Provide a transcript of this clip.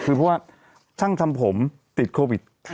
คือเพราะว่าช่างทำผมติดโควิด